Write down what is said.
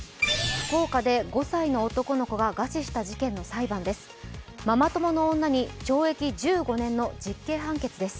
福岡で５歳の男の子が餓死した事件の裁判です。